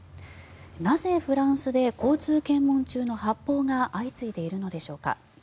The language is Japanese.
なぜ、フランスで交通検問中の発砲が相次いでいるのでしょうか。